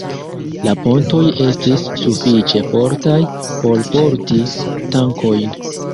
La pontoj estis sufiĉe fortaj por porti tankojn.